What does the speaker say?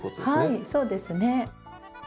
はいそうですね。